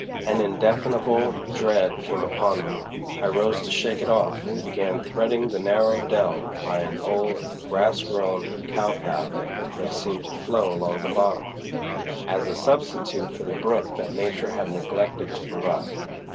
An indefinable dread came upon me. I rose to shake it off, and began threading the narrow dell by an old, grass grown cow path that seemed to flow along the bottom, as a substitute for the brook that Nature had neglected to provide.